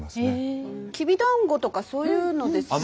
きびだんごとかそういうのですよね。